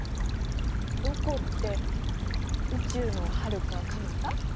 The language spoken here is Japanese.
どこって宇宙のはるかかなた？